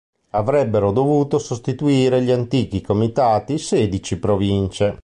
Avrebbero dovuto sostituire gli antichi comitati sedici province.